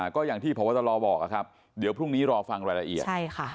ก็อย่างที่พระวัตรรอบอกเดี๋ยวพรุ่งนี้รอฟังรายละเอียด